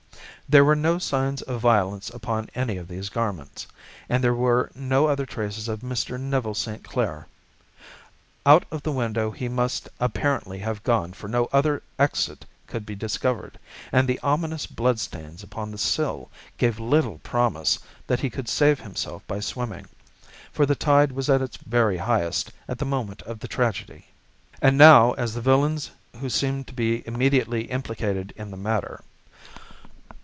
There were no signs of violence upon any of these garments, and there were no other traces of Mr. Neville St. Clair. Out of the window he must apparently have gone for no other exit could be discovered, and the ominous bloodstains upon the sill gave little promise that he could save himself by swimming, for the tide was at its very highest at the moment of the tragedy. "And now as to the villains who seemed to be immediately implicated in the matter.